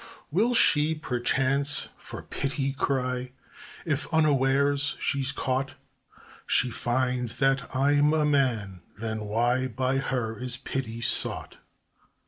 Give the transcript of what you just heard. Will she, perchance, for pity cry, If unawares she's caught? She finds that I'm a man then, why By her is pity sought?